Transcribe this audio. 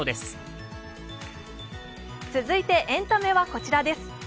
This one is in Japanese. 続いて、エンタメはこちらです。